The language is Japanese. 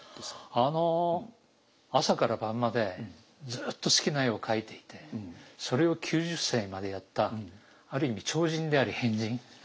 あの朝から晩までずっと好きな絵を描いていてそれを９０歳までやったある意味超人であり変人。